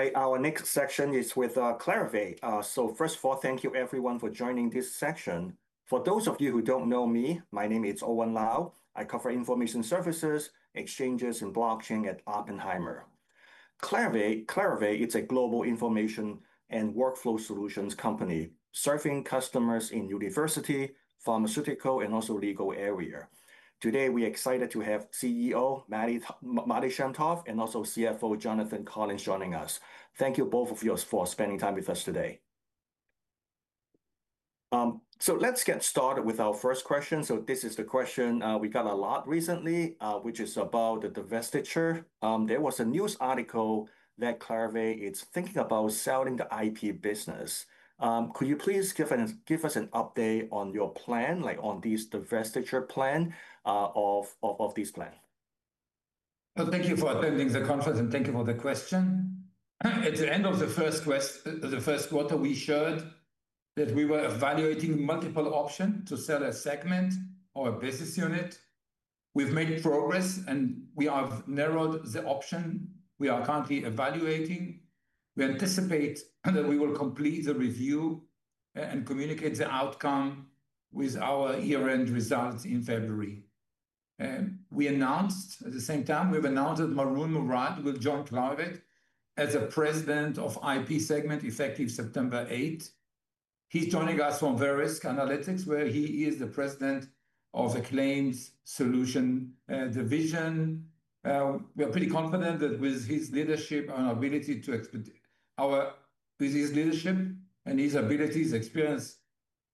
All right, our next section is with Clarivate. First of all, thank you everyone for joining this section. For those of you who don't know me, my name is Owen Lau. I cover information services, exchanges, and blockchain at Oppenheimer. Clarivate is a global information and workflow solutions company serving customers in the university, pharmaceutical, and also legal area. Today, we're excited to have CEO Matti Shem Tov and also CFO Jonathan Collins joining us. Thank you both of you for spending time with us today. Let's get started with our first question. This is the question we got a lot recently, which is about the divestiture. There was a news article that Clarivate is thinking about selling the IP business. Could you please give us an update on your plan, like on this divestiture plan, or of this plan? Thank you for attending the conference and thank you for the question. At the end of the first quarter, we shared that we were evaluating multiple options to sell a segment or a business unit. We've made progress, and we have narrowed the option we are currently evaluating. We anticipate that we will complete the review and communicate the outcome with our year-end results in February. We announced at the same time we've announced that Maroun Mourad will join Clarivate as President of the IP segment effective September 8. He's joining us from Verisk Analytics, where he is the President of a Claims Solution Division. We are pretty confident that with his leadership and our ability to expedite our business leadership and his abilities, experience,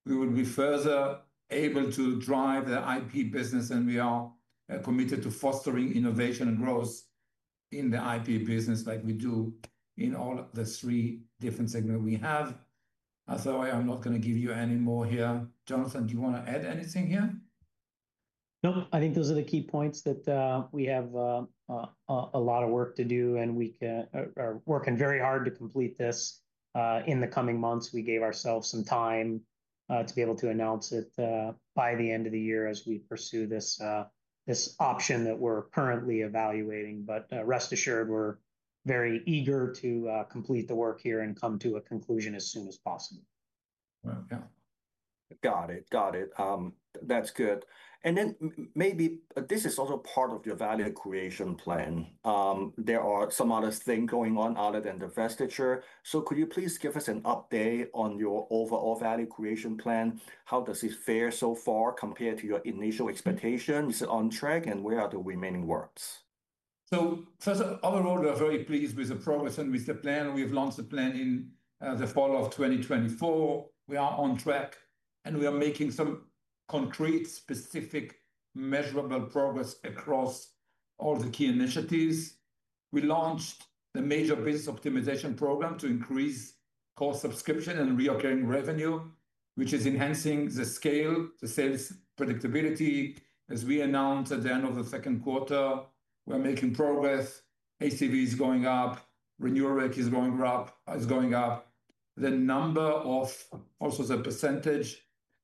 we will be further able to drive the IP business. We are committed to fostering innovation and growth in the IP business like we do in all the three different segments we have. I'm not going to give you any more here. Jonathan, do you want to add anything here? No, I think those are the key points. We have a lot of work to do, and we are working very hard to complete this in the coming months. We gave ourselves some time to be able to announce it by the end of the year as we pursue this option that we're currently evaluating. Rest assured, we're very eager to complete the work here and come to a conclusion as soon as possible. Got it. That's good. Maybe this is also part of your value creation plan. There are some other things going on other than divestiture. Could you please give us an update on your overall value creation plan? How does it fare so far compared to your initial expectations? Is it on track, and where are the remaining works? First of all, we're very pleased with the progress and with the plan. We have launched the plan in the fall of 2024. We are on track and we are making some concrete, specific, measurable progress across all the key initiatives. We launched the major business optimization program to increase core subscription and recurring revenue, which is enhancing the scale and the sales predictability. As we announced at the end of the second quarter, we're making progress. ACV is going up, renewal rate is going up. The number of, also the percentage,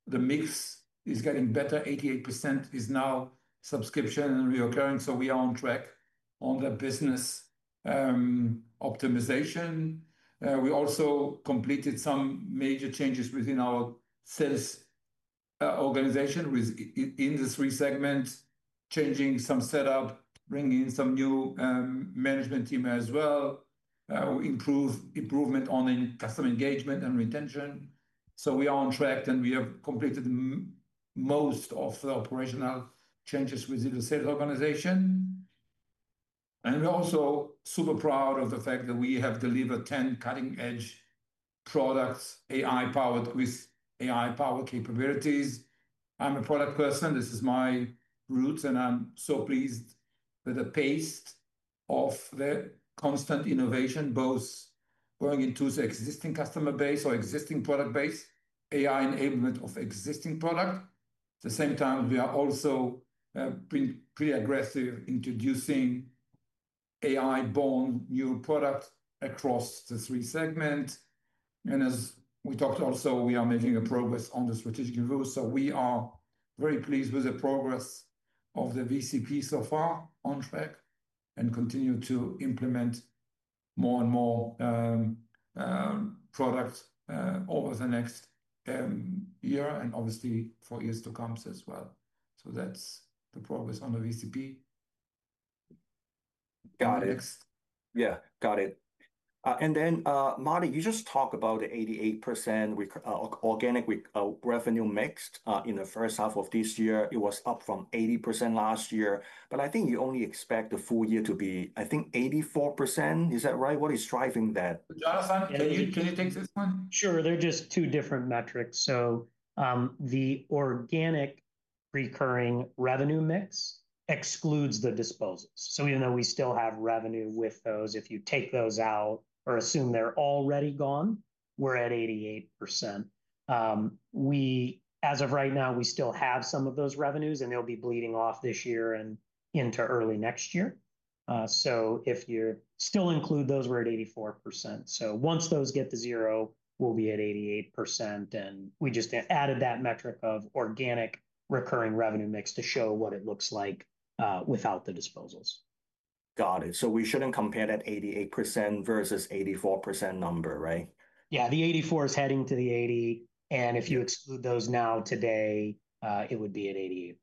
the mix is getting better. 88% is now subscription and recurring. We are on track on the business optimization. We also completed some major changes within our sales organization within the three segments, changing some setup, bringing in some new management team as well, improvement on customer engagement and retention. We are on track and we have completed most of the operational changes within the sales organization. We're also super proud of the fact that we have delivered 10 cutting-edge products, AI-powered with AI-powered capabilities. I'm a product person. This is my roots and I'm so pleased with the pace of the constant innovation, both going into the existing customer base or existing product base, AI enablement of existing product. At the same time, we are also being pretty aggressive in introducing AI-born new products across the three segments. As we talked also, we are making progress on the strategic review. We are very pleased with the progress of the VCP so far, on track, and continue to implement more and more products over the next year and obviously for years to come as well. That's the progress on the VCP. Got it. Yeah, got it. Martin, you just talked about the 88% organic revenue mix in the first half of this year. It was up from 80% last year. I think you only expect the full year to be 84%. Is that right? What is driving that? Jonathan, can you take this one? Sure. They're just two different metrics. The organic recurring revenue mix excludes the disposals. Even though we still have revenue with those, if you take those out or assume they're already gone, we're at 88%. As of right now, we still have some of those revenues and they'll be bleeding off this year and into early next year. If you still include those, we're at 84%. Once those get to zero, we'll be at 88%. We just added that metric of organic recurring revenue mix to show what it looks like without the disposals. Got it. We shouldn't compare that 88% versus 84% number, right? Yeah, the 84% is heading to the 80%, and if you exclude those now today, it would be at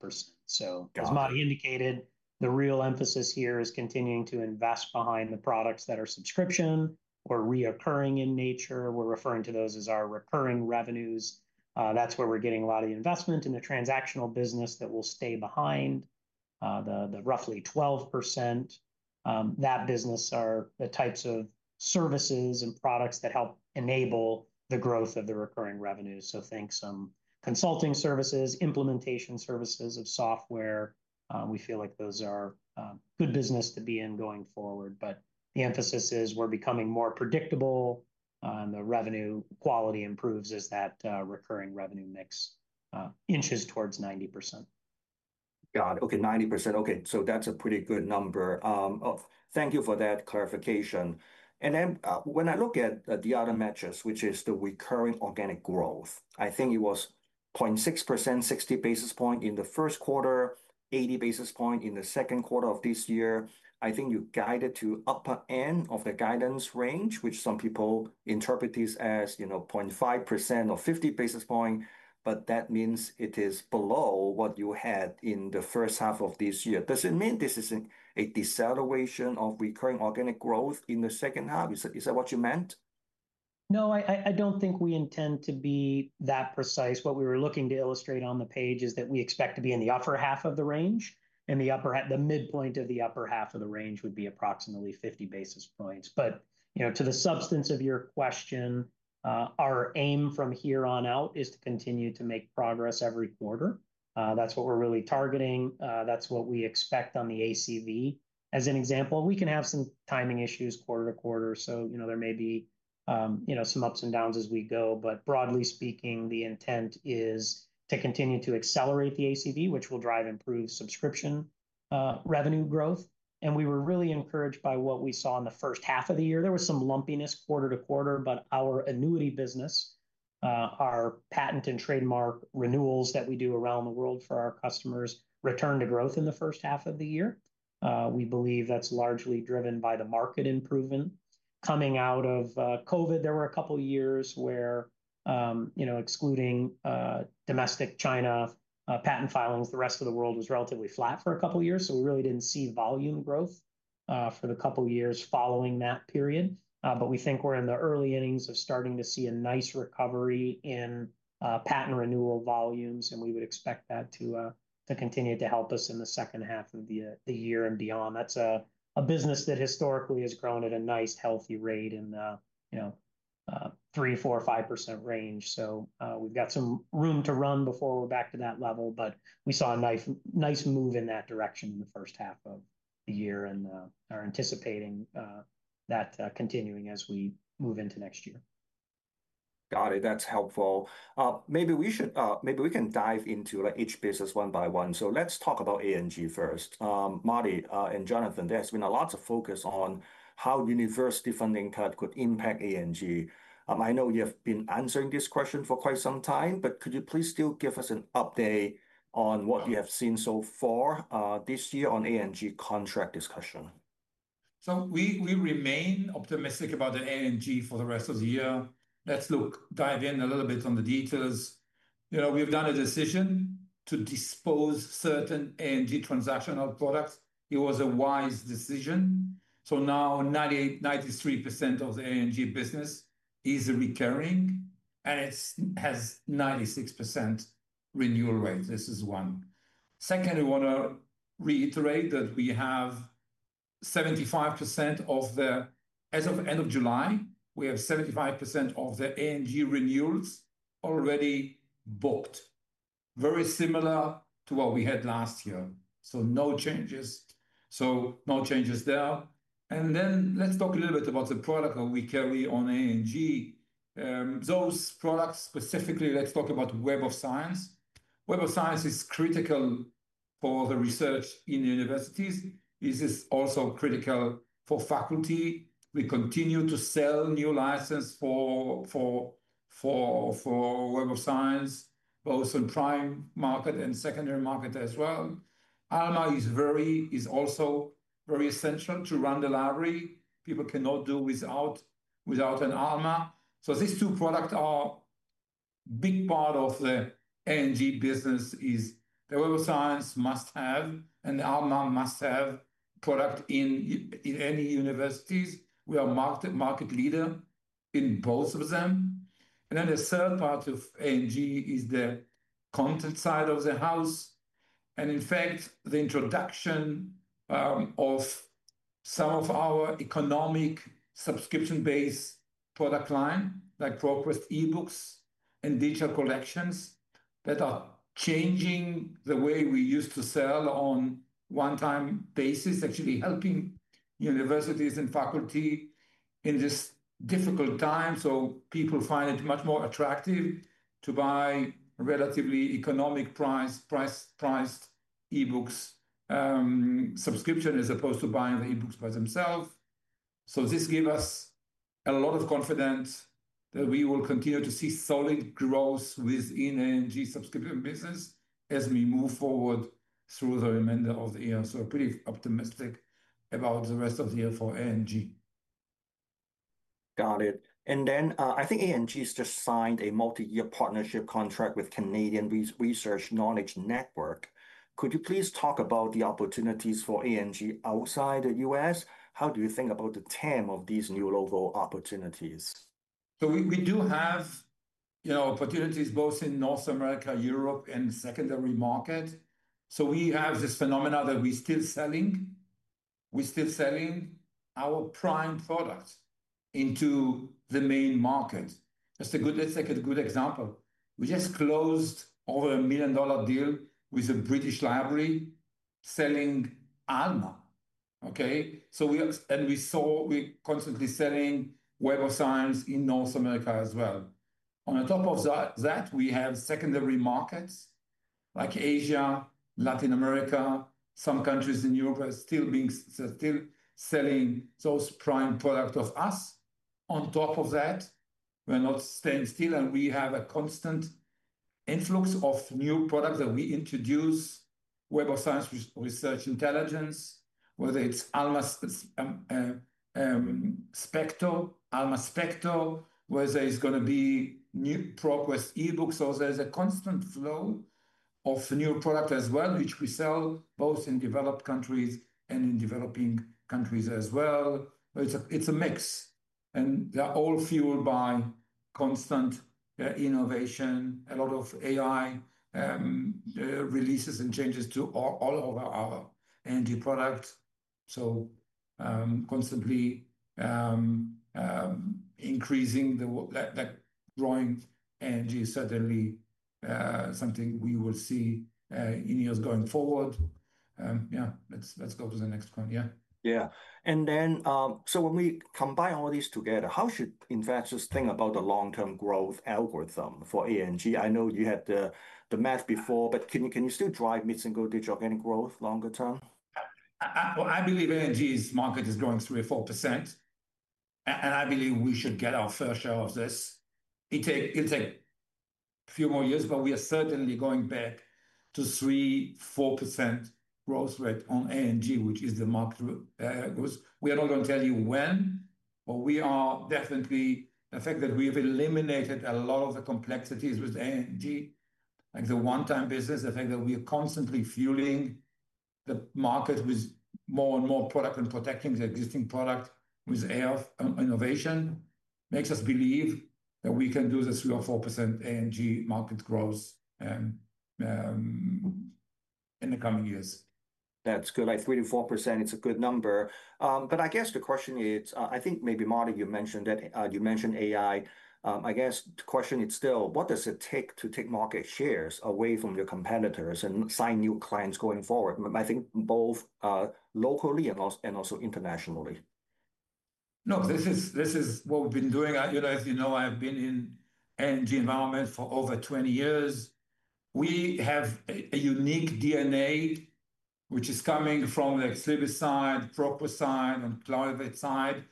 88%. As Matti indicated, the real emphasis here is continuing to invest behind the products that are subscription or recurring in nature. We're referring to those as our recurring revenues. That's where we're getting a lot of the investment. The transactional business will stay behind the roughly 12%. That business is the types of services and products that help enable the growth of the recurring revenue. Think some consulting services, implementation services of software. We feel like those are good business to be in going forward. The emphasis is we're becoming more predictable, and the revenue quality improves as that recurring revenue mix inches towards 90%. Got it. Okay, 90%. Okay, so that's a pretty good number. Thank you for that clarification. When I look at the other metrics, which is the recurring organic growth, I think it was 0.6%, 60 basis points in the first quarter, 80 basis points in the second quarter of this year. I think you guided to the upper end of the guidance range, which some people interpret as 0.5% or 50 basis points, but that means it is below what you had in the first half of this year. Does it mean this is a deceleration of recurring organic growth in the second half? Is that what you meant? No, I don't think we intend to be that precise. What we were looking to illustrate on the page is that we expect to be in the upper half of the range. The midpoint of the upper half of the range would be approximately 50 basis points. To the substance of your question, our aim from here on out is to continue to make progress every quarter. That's what we're really targeting. That's what we expect on the ACV. As an example, we can have some timing issues quarter-to-quarter. There may be some ups and downs as we go. Broadly speaking, the intent is to continue to accelerate the ACV, which will drive improved subscription revenue growth. We were really encouraged by what we saw in the first half of the year. There was some lumpiness quarter to quarter, but our annuity business, our patent and trademark renewals that we do around the world for our customers, returned to growth in the first half of the year. We believe that's largely driven by the market improvement. Coming out of COVID, there were a couple of years where, excluding domestic China patent filings, the rest of the world was relatively flat for a couple of years. We really didn't see volume growth for the couple of years following that period. We think we're in the early innings of starting to see a nice recovery in patent renewal volumes. We would expect that to continue to help us in the second half of the year and beyond. That's a business that historically has grown at a nice, healthy rate in the 3%, 4%, or 5% range. We've got some room to run before we're back to that level. We saw a nice move in that direction in the first half of the year and are anticipating that continuing as we move into next year. Got it. That's helpful. Maybe we can dive into each business one by one. Let's talk about ANG first. Matti and Jonathan, there has been a lot of focus on how university funding cut could impact ANG. I know you have been answering this question for quite some time, but could you please still give us an update on what you have seen so far this year on ANG contract discussion? We remain optimistic about the ANG for the rest of the year. Let's look again a little bit at the details. We've made a decision to dispose of certain ANG transactional products. It was a wise decision. Now 93% of the ANG business is recurring and it has a 96% renewal rate. This is one. Second, I want to reiterate that as of the end of July, we have 75% of the ANG renewals already booked, very similar to what we had last year. No changes there. Let's talk a little bit about the products that we carry on ANG. Those products specifically, let's talk about Web of Science. Web of Science is critical for research in universities. It is also critical for faculty. We continue to sell new licenses for Web of Science, both in the prime market and secondary market as well. Alma is also very essential to run the library. People cannot do without an Alma. These two products are a big part of the ANG business. The Web of Science and the Alma are must-have products in any university. We are a market leader in both of them. The third part of ANG is the content side of the house. In fact, the introduction of some of our economic subscription-based product lines, like ProQuest ebooks and digital collections that are changing the way we used to sell on a one-time basis, is actually helping universities and faculty in this difficult time. People find it much more attractive to buy relatively economically priced e-books subscriptions as opposed to buying the e-books by themselves. This gives us a lot of confidence that we will continue to see solid growth within the ANG subscription business as we move forward through the remainder of the year. We're pretty optimistic about the rest of the year for ANG. Got it. I think Clarivate has just signed a multi-year partnership contract with the Canadian Research Knowledge Network. Could you please talk about the opportunities for Clarivate outside the U.S.? How do you think about the TAM of these new local opportunities? We do have opportunities both in North America, Europe, and the secondary market. We have this phenomenon that we're still selling. We're still selling our prime product into the main market. Just a good, let's take a good example. We just closed over a $1 million deal with the British Library selling Alma. We are, and we saw we're constantly selling Web of Science in North America as well. On top of that, we have secondary markets like Asia, Latin America, some countries in Europe are still selling those prime products of us. On top of that, we're not staying still and we have a constant influx of new products that we introduce: Web of Science, Research Intelligence, whether it's Alma Spector, Alma Spector, whether it's going to be new ProQuest ebooks. There's a constant flow of new products as well, which we sell both in developed countries and in developing countries as well. It's a mix. They're all fueled by constant innovation, a lot of AI releases and changes to all of our AI products. Constantly increasing the growing AI is certainly something we will see in years going forward. Let's go to the next point. Yeah. When we combine all these together, how should investors think about the long-term growth algorithm for ANG? I know you had the math before, but can you still drive mid-single-digit organic growth longer term? I believe ANG's market is growing 3% or 4%, and I believe we should get our fair share of this. It'll take a few more years, but we are certainly going back to 3% or 4% growth rate on ANG, which is the market growth. We are not going to tell you when, but we are definitely, the fact that we have eliminated a lot of the complexities with ANG, like the one-time business, the fact that we are constantly fueling the market with more and more products and protecting the existing products with AI innovation, makes us believe that we can do the 3% or 4% ANG market growth in the coming years. That's good. Like 3% to 4%, it's a good number. I guess the question is, I think maybe Matti, you mentioned that, you mentioned AI. I guess the question is still, what does it take to take market shares away from your competitors and sign new clients going forward? I think both locally and also internationally. No, this is what we've been doing. You know, as you know, I've been in the ANG environment for over 20 years. We have a unique DNA, which is coming from the CB side, ProQuest side, and Clarivate side.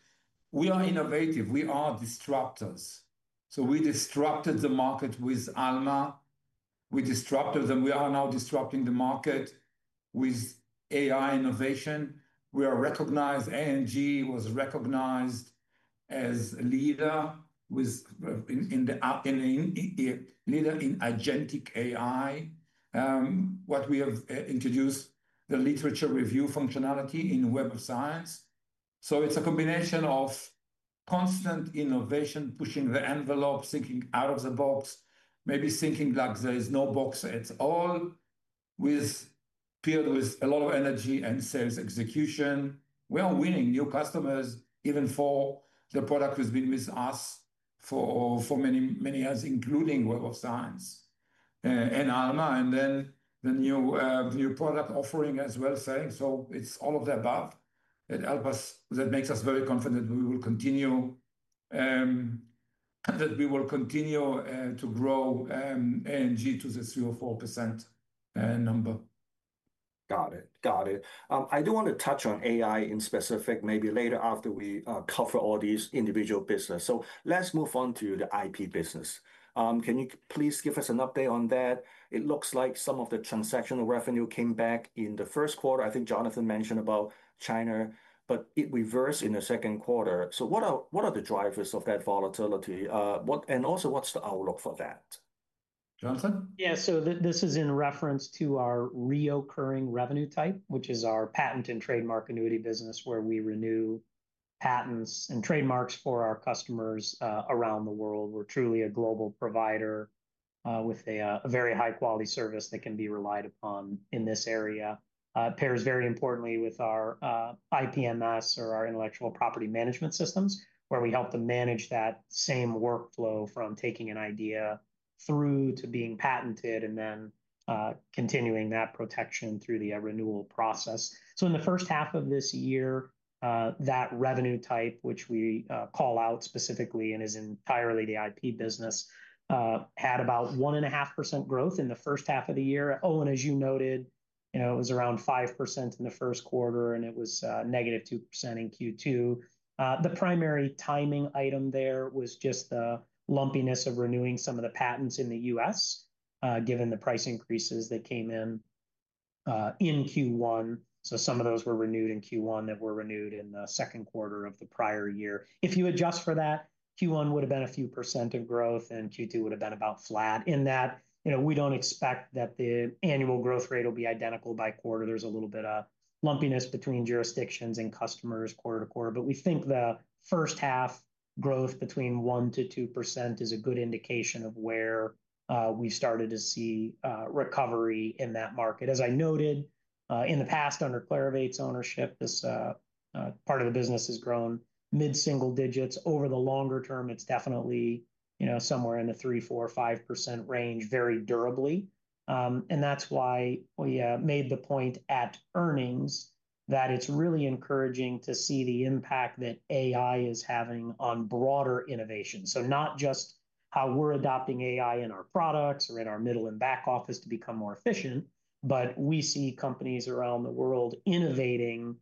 We are innovative. We are disruptors. We disrupted the market with Alma. We disrupted them. We are now disrupting the market with AI innovation. We are recognized. ANG was recognized as a leader in agentic AI. What we have introduced, the literature review functionality in Web of Science. It is a combination of constant innovation, pushing the envelope, thinking out of the box, maybe thinking like there is no box at all, paired with a lot of energy and sales execution. We are winning new customers even for the product that has been with us for many, many years, including Web of Science and Alma, and then the new product offering as well, selling. It is all of the above that helps us, that makes us very confident that we will continue to grow ANG to the 3% or 4% number. Got it. I do want to touch on AI in specific, maybe later after we cover all these individual business. Let's move on to the IP business. Can you please give us an update on that? It looks like some of the transactional revenue came back in the first quarter. I think Jonathan mentioned about China, but it reversed in the second quarter. What are the drivers of that volatility? Also, what's the outlook for that? Jonathan? Yeah, so this is in reference to our recurring revenue type, which is our patent and trademark annuity business, where we renew patents and trademarks for our customers around the world. We're truly a global provider with a very high-quality service that can be relied upon in this area. It pairs very importantly with our IPMS or our intellectual property management systems, where we help to manage that same workflow from taking an idea through to being patented and then continuing that protection through the renewal process. In the first half of this year, that revenue type, which we call out specifically and is entirely the IP business, had about 1.5% growth in the first half of the year. Oh, and as you noted, you know, it was around 5% in the first quarter and it was negative 2% in Q2. The primary timing item there was just the lumpiness of renewing some of the patents in the U.S., given the price increases that came in in Q1. Some of those were renewed in Q1 that were renewed in the second quarter of the prior year. If you adjust for that, Q1 would have been a few percent in growth and Q2 would have been about flat in that. You know, we don't expect that the annual growth rate will be identical by quarter. There's a little bit of lumpiness between jurisdictions and customers quarter to quarter. We think the first half growth between 1%-2% is a good indication of where we started to see recovery in that market. As I noted, in the past, under Clarivate's ownership, this part of the business has grown mid-single digits. Over the longer term, it's definitely, you know, somewhere in the 3%, 4%, 5% range very durably. That's why we made the point at earnings that it's really encouraging to see the impact that AI is having on broader innovation. Not just how we're adopting AI in our products or in our middle and back office to become more efficient, but we see companies around the world innovating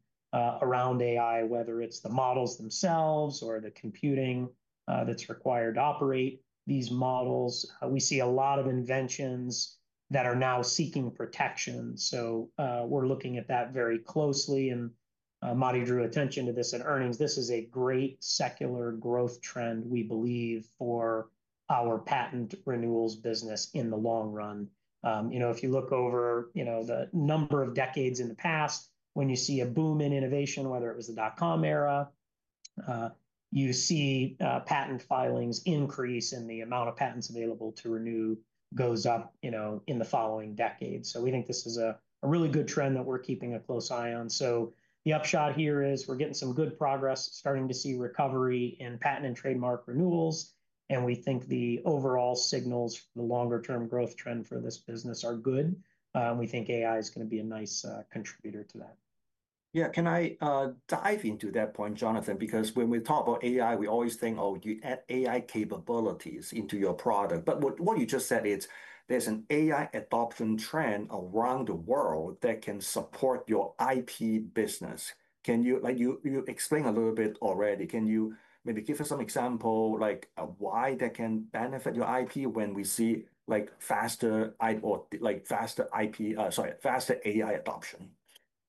around AI, whether it's the models themselves or the computing that's required to operate these models. We see a lot of inventions that are now seeking protection. We're looking at that very closely. Matti drew attention to this in earnings. This is a great secular growth trend, we believe, for our patent renewals business in the long run. If you look over the number of decades in the past, when you see a boom in innovation, whether it was the dot-com era, you see patent filings increase and the amount of patents available to renew goes up in the following decades. We think this is a really good trend that we're keeping a close eye on. The upshot here is we're getting some good progress, starting to see recovery in patent and trademark renewals. We think the overall signals for the longer-term growth trend for this business are good. We think AI is going to be a nice contributor to that. Yeah, can I dive into that point, Jonathan? Because when we talk about AI, we always think, oh, you add AI capabilities into your product. What you just said is there's an AI adoption trend around the world that can support your IP business. Can you, like you explained a little bit already, maybe give us some examples, like why that can benefit your IP when we see faster AI adoption?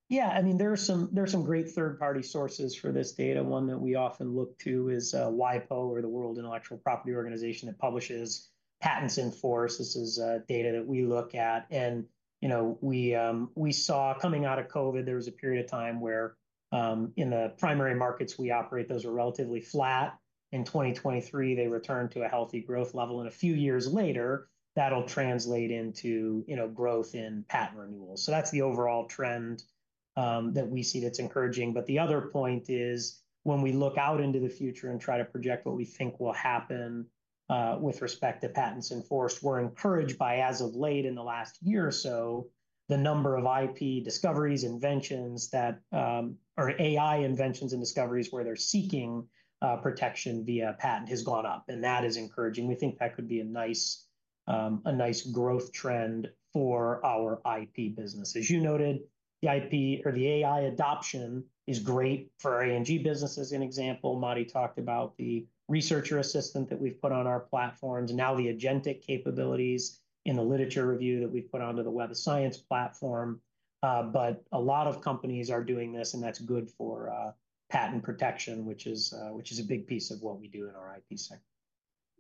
Yeah, I mean, there are some great third-party sources for this data. One that we often look to is WIPO, or the World Intellectual Property Organization, that publishes patents in force. This is data that we look at. You know, we saw coming out of COVID, there was a period of time where, in the primary markets we operate, those are relatively flat. In 2023, they returned to a healthy growth level. A few years later, that'll translate into, you know, growth in patent renewals. That's the overall trend that we see that's encouraging. The other point is when we look out into the future and try to project what we think will happen, with respect to patents in force, we're encouraged by, as of late, in the last year or so, the number of IP discoveries, inventions that, or AI inventions and discoveries where they're seeking protection via patent has gone up. That is encouraging. We think that could be a nice, a nice growth trend for our IP business. As you noted, the IP or the AI adoption is great for ANG businesses. In example, Matti talked about the researcher assistant that we've put on our platforms and now the agentic capabilities in the literature review that we've put onto the Web of Science platform. A lot of companies are doing this, and that's good for patent protection, which is a big piece of what we do in our IP sector.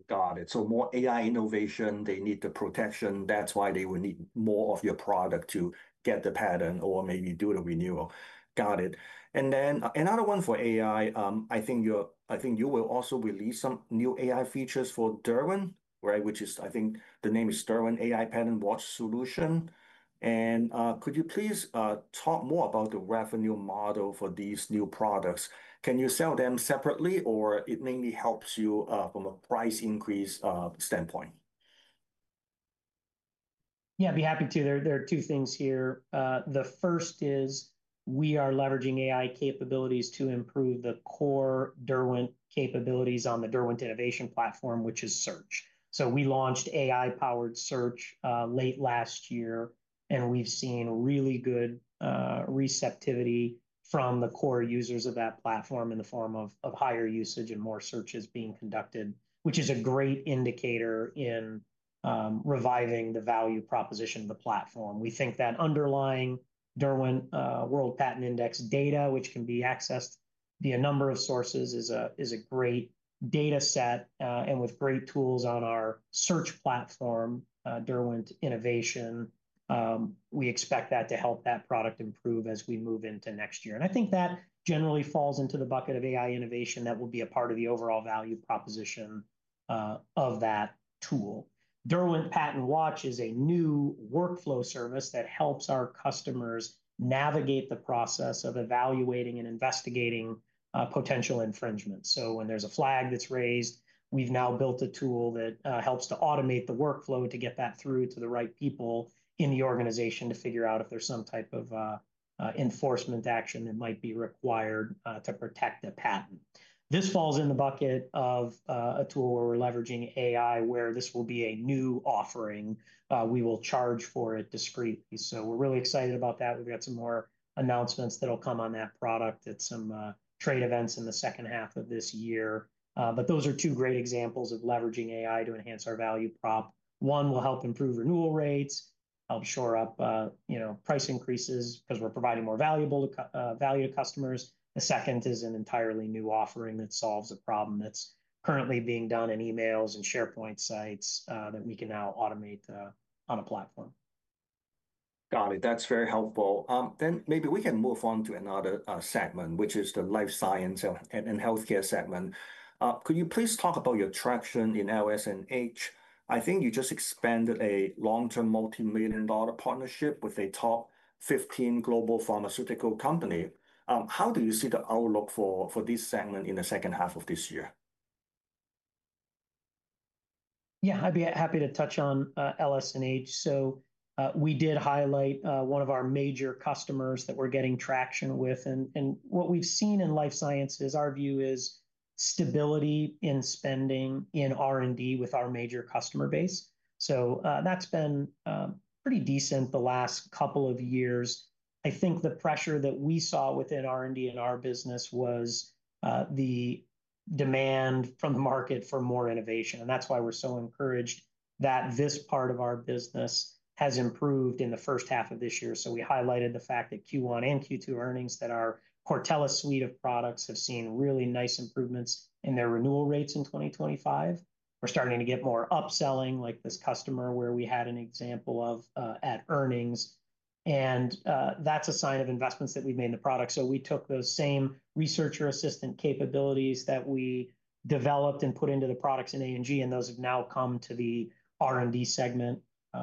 Got it. More AI innovation, they need the protection. That's why they will need more of your product to get the patent or maybe do the renewal. Got it. Another one for AI, I think you will also release some new AI features for Derwent, right? I think the name is Derwent AI Patent Watch Solution. Could you please talk more about the revenue model for these new products? Can you sell them separately or does it mainly help you from a price increase standpoint? Yeah, I'd be happy to. There are two things here. The first is we are leveraging AI capabilities to improve the core Derwent capabilities on the Derwent Innovation platform, which is search. We launched AI-powered search late last year, and we've seen really good receptivity from the core users of that platform in the form of higher usage and more searches being conducted, which is a great indicator in reviving the value proposition of the platform. We think that underlying Derwent World Patent Index data, which can be accessed via a number of sources, is a great data set, and with great tools on our search platform, Derwent Innovation, we expect that to help that product improve as we move into next year. I think that generally falls into the bucket of AI innovation that will be a part of the overall value proposition of that tool. Derwent Patent Watch is a new workflow service that helps our customers navigate the process of evaluating and investigating potential infringements. When there's a flag that's raised, we've now built a tool that helps to automate the workflow to get that through to the right people in the organization to figure out if there's some type of enforcement action that might be required to protect the patent. This falls in the bucket of a tool where we're leveraging AI, where this will be a new offering. We will charge for it discreetly. We're really excited about that. We've got some more announcements that'll come on that product at some trade events in the second half of this year. Those are two great examples of leveraging AI to enhance our value prop. One will help improve renewal rates, help shore up price increases because we're providing more value to customers. The second is an entirely new offering that solves a problem that's currently being done in emails and SharePoint sites that we can now automate on a platform. Got it. That's very helpful. Maybe we can move on to another segment, which is the life sciences and healthcare segment. Could you please talk about your traction in LS&H? I think you just expanded a long-term multimillion-dollar partnership with a top 15 global pharmaceutical company. How do you see the outlook for this segment in the second half of this year? Yeah, I'd be happy to touch on LS&H. We did highlight one of our major customers that we're getting traction with. What we've seen in life science is our view is stability in spending in R&D with our major customer base. That's been pretty decent the last couple of years. I think the pressure that we saw within R&D in our business was the demand from the market for more innovation. That's why we're so encouraged that this part of our business has improved in the first half of this year. We highlighted the fact in Q1 and Q2 earnings that our Cortellis suite of products have seen really nice improvements in their renewal rates in 2025. We're starting to get more upselling, like this customer where we had an example at earnings. That's a sign of investments that we've made in the product. We took those same researcher assistant capabilities that we developed and put into the products in A&G, and those have now come to the R&D segment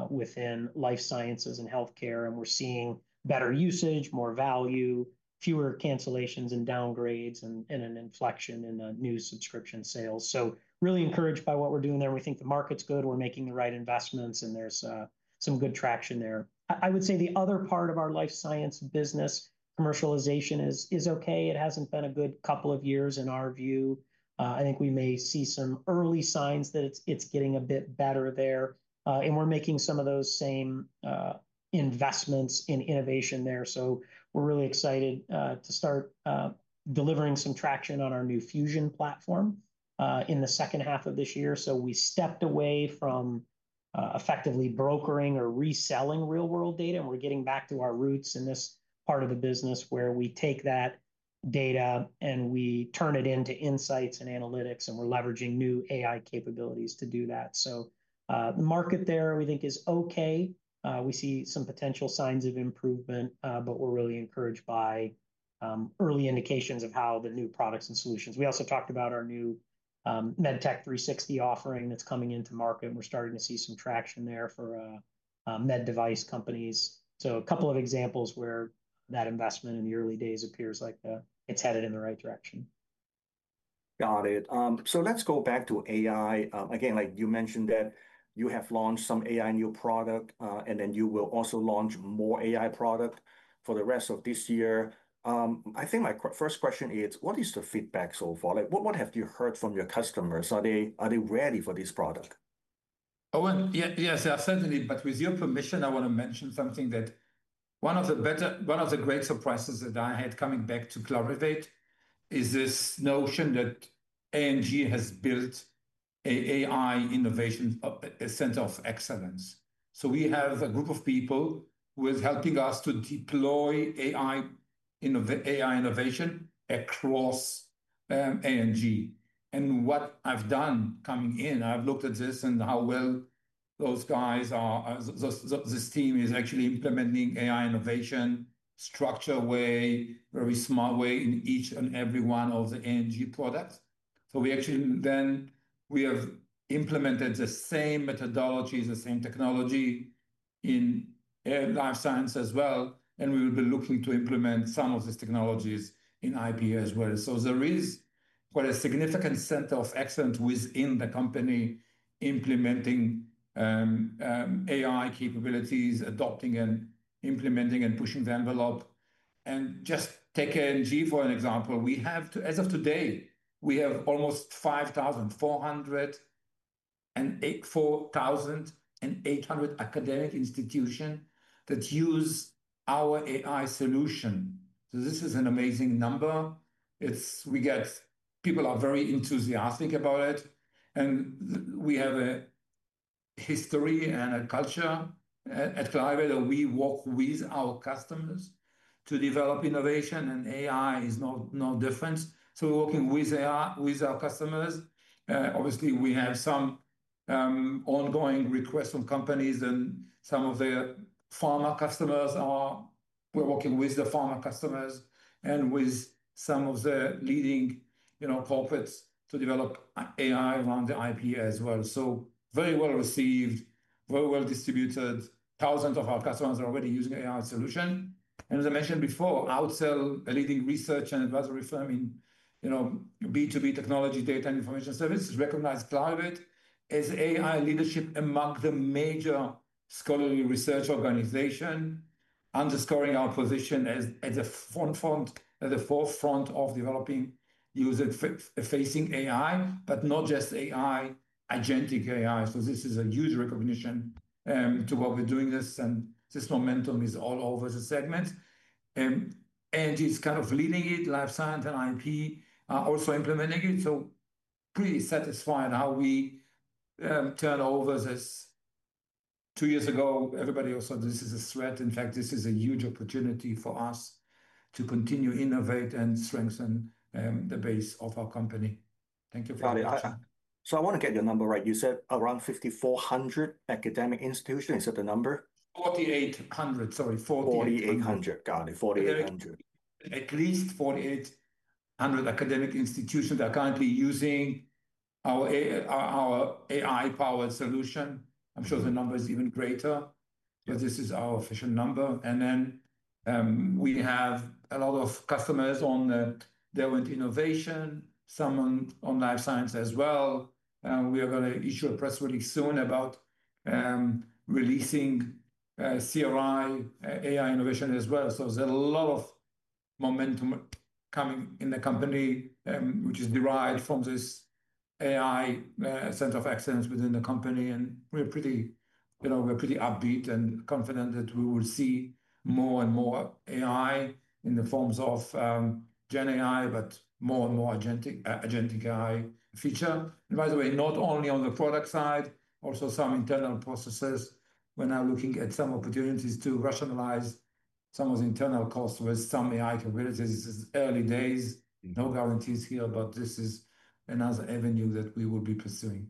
within life sciences and healthcare. We're seeing better usage, more value, fewer cancellations and downgrades, and an inflection in the new subscription sales. Really encouraged by what we're doing there. We think the market's good. We're making the right investments, and there's some good traction there. I would say the other part of our life science business, commercialization, is okay. It hasn't been a good couple of years in our view. I think we may see some early signs that it's getting a bit better there. We're making some of those same investments in innovation there. We're really excited to start delivering some traction on our new Fusion platform in the second half of this year. We stepped away from effectively brokering or reselling real-world data, and we're getting back to our roots in this part of the business where we take that data and we turn it into insights and analytics, and we're leveraging new AI capabilities to do that. The market there, we think, is okay. We see some potential signs of improvement, but we're really encouraged by early indications of how the new products and solutions are performing. We also talked about our new MedTech 360 offering that's coming into market, and we're starting to see some traction there for med device companies. A couple of examples where that investment in the early days appears like it's headed in the right direction. Got it. Let's go back to AI. Like you mentioned that you have launched some AI new product, and then you will also launch more AI products for the rest of this year. I think my first question is, what is the feedback so far? Like what have you heard from your customers? Are they ready for this product? Owen, yes, I certainly, but with your permission, I want to mention something that one of the better, one of the great surprises that I had coming back to Clarivate is this notion that A&G has built an AI Center of Excellence. We have a group of people who are helping us to deploy AI innovation across A&G. What I've done coming in, I've looked at this and how well those guys are, this team is actually implementing AI innovation in a structured way, very smart way in each and every one of the A&G products. We actually then have implemented the same methodologies, the same technology in life sciences as well. We will be looking to implement some of these technologies in IP as well. There is quite a significant Center of Excellence within the company implementing AI capabilities, adopting and implementing and pushing the envelope. Just take A&G for an example. As of today, we have almost 5,400 and 8,400 academic institutions that use our AI solution. This is an amazing number. We get people who are very enthusiastic about it. We have a history and a culture at Clarivate that we work with our customers to develop innovation, and AI is no different. We're working with our customers. Obviously, we have some ongoing requests from companies, and some of the pharma customers are, we're working with the pharma customers and with some of the leading, you know, corporates to develop AI around the IP as well. Very well received, very well distributed. Thousands of our customers are already using AI solutions. As I mentioned before, Outsell, a leading research and advisory firm in B2B technology, data and information services, recognized Clarivate as AI leadership among the major scholarly research organizations, underscoring our position as the forefront of developing user-facing AI, but not just AI, agentic AI. This is a huge recognition to what we're doing, and this momentum is all over the segment. It's kind of leading it. Life Sciences and IP are also implementing it. Pretty satisfied how we turned over this two years ago. Everybody also said this is a threat. In fact, this is a huge opportunity for us to continue to innovate and strengthen the base of our company. Got it. I want to get your number right. You said around 5,400 academic institutions. Is that the number? 4,800, sorry. 4,800. Got it. At least 4,800 academic institutions are currently using our AI-powered solution. I'm sure the number is even greater, but this is our official number. We have a lot of customers on the Derwent Innovation, some on Life Science as well. We are going to issue a press release soon about releasing CRI AI Innovation as well. There is a lot of momentum coming in the company, which is derived from this AI Center of Excellence within the company. We're pretty upbeat and confident that we will see more and more AI in the forms of GenAI, but more and more agentic AI features. By the way, not only on the product side, also some internal processes. We're now looking at some opportunities to rationalize some of the internal costs with some AI capabilities. This is early days. No guarantees here, but this is another avenue that we will be pursuing.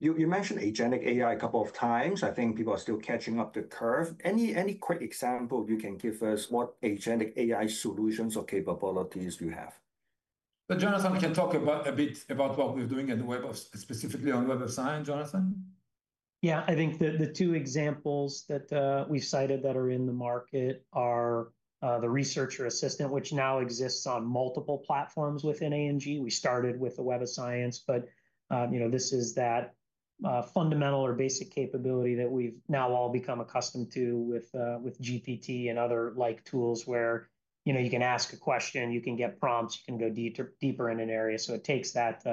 You mentioned agentic AI a couple of times. I think people are still catching up the curve. Any quick example you can give us what Agentic AI solutions or capabilities do you have? Jonathan, we can talk a bit about what we're doing in the web, specifically on Web of Science, Jonathan? Yeah, I think the two examples that we've cited that are in the market are the researcher assistant, which now exists on multiple platforms within A&G. We started with the Web of Science, but this is that fundamental or basic capability that we've now all become accustomed to with GPT and other like tools where you can ask a question, you can get prompts, you can go deeper in an area. It takes that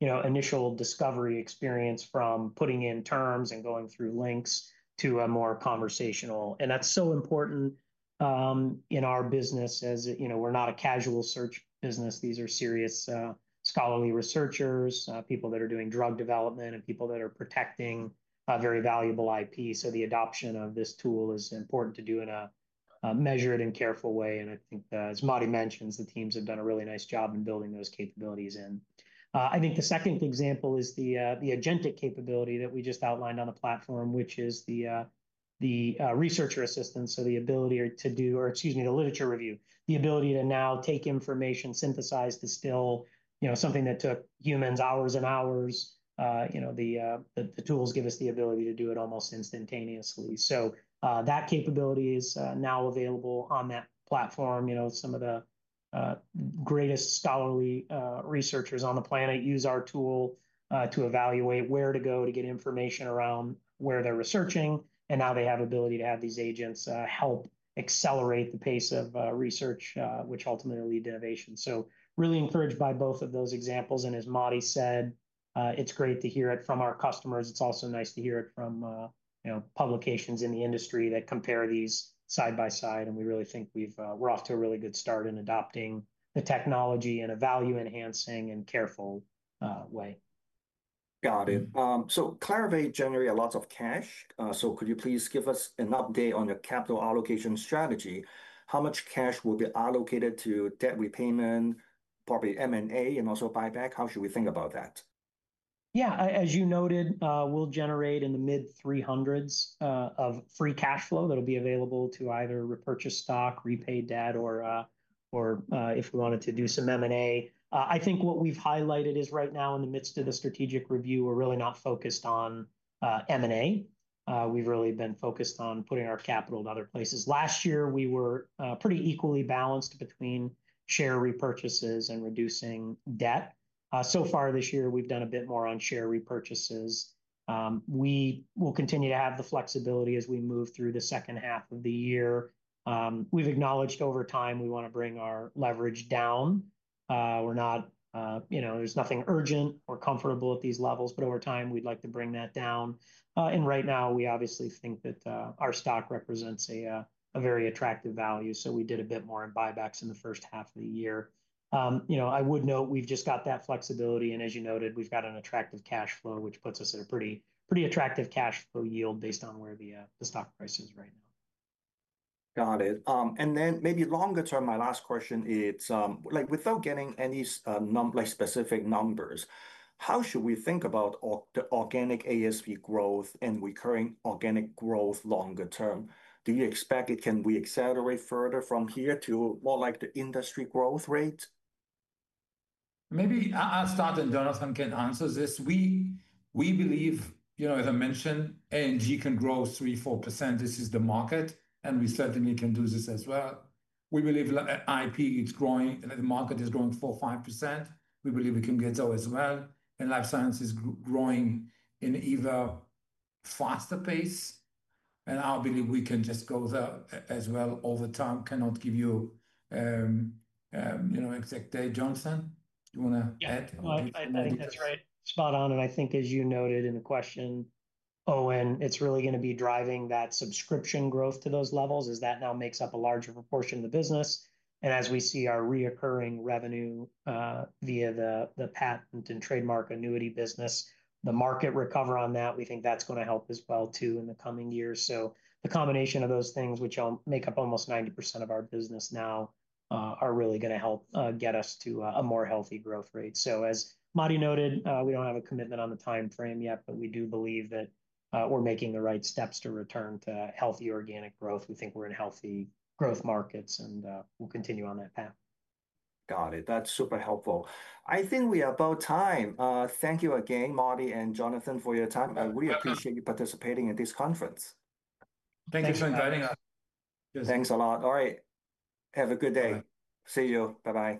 initial discovery experience from putting in terms and going through links to a more conversational. That's so important in our business as we're not a casual search business. These are serious scholarly researchers, people that are doing drug development, and people that are protecting very valuable IP. The adoption of this tool is important to do in a measured and careful way. I think, as Matti mentioned, the teams have done a really nice job in building those capabilities in. I think the second example is the agentic capability that we just outlined on the platform, which is the researcher assistance. The ability to do, or excuse me, the literature review, the ability to now take information, synthesize, distill, something that took humans hours and hours. The tools give us the ability to do it almost instantaneously. That capability is now available on that platform. Some of the greatest scholarly researchers on the planet use our tool to evaluate where to go to get information around where they're researching and how they have the ability to have these agents help accelerate the pace of research, which ultimately leads to innovation. Really encouraged by both of those examples. As Matti said, it's great to hear it from our customers. It's also nice to hear it from publications in the industry that compare these side by side. We really think we're off to a really good start in adopting the technology in a value-enhancing and careful way. Got it. Clarivate generates lots of cash. Could you please give us an update on your capital allocation strategy? How much cash will be allocated to debt repayment, probably M&A, and also buyback? How should we think about that? Yeah, as you noted, we'll generate in the mid-$300 million of free cash flow that'll be available to either repurchase stock, repay debt, or if we wanted to do some M&A. I think what we've highlighted is right now in the midst of the strategic review, we're really not focused on M&A. We've really been focused on putting our capital in other places. Last year, we were pretty equally balanced between share repurchases and reducing debt. So far this year, we've done a bit more on share repurchases. We will continue to have the flexibility as we move through the second half of the year. We've acknowledged over time we want to bring our leverage down. There's nothing urgent or uncomfortable at these levels, but over time we'd like to bring that down. Right now we obviously think that our stock represents a very attractive value. We did a bit more in buybacks in the first half of the year. I would note we've just got that flexibility. As you noted, we've got an attractive cash flow, which puts us at a pretty attractive cash flow yield based on where the stock price is, right? Got it. Maybe longer term, my last question is, like without getting any specific numbers, how should we think about the organic ASV growth and recurring organic growth longer term? Do you expect it can accelerate further from here to more like the industry growth rate? Maybe I'll start and Jonathan can answer this. We believe, you know, as I mentioned, A&G can grow 3%-4%. This is the market, and we certainly can do this as well. We believe IP is growing and the market is growing 4%-5%. We believe it can get there as well. Life science is growing at an even faster pace. I believe we can just go there as well over time. Cannot give you, you know, exact date. Jonathan, you want to add? I think that's right. Spot on. I think as you noted in the question, Owen, it's really going to be driving that subscription growth to those levels as that now makes up a larger proportion of the business. As we see our recurring revenue via the patent and trademark renewal business, the market recovery on that, we think that's going to help as well in the coming years. The combination of those things, which make up almost 90% of our business now, are really going to help get us to a more healthy growth rate. As Matti noted, we don't have a commitment on the timeframe yet, but we do believe that we're making the right steps to return to healthy organic growth. We think we're in healthy growth markets and we'll continue on that path. Got it. That's super helpful. I think we are about time. Thank you again, Matti and Jonathan, for your time. I really appreciate you participating in this conference. Thank you for inviting us. Thanks a lot. All right. Have a good day. See you. Bye-bye.